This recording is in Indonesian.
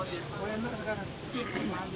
di tempat yang asli di jemaah